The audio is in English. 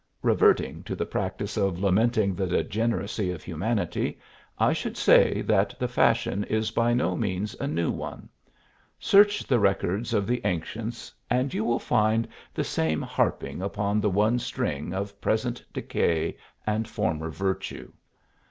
Reverting to the practice of lamenting the degeneracy of humanity, I should say that the fashion is by no means a new one. Search the records of the ancients and you will find the same harping upon the one string of present decay and former virtue.